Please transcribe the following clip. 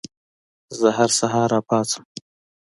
زه هر سهار راپاڅم.